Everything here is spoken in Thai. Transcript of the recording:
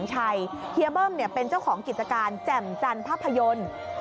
เฮียเบิ้มเป็นเจ้าของกิจการแจ่มจันทร์ภาพยนตร์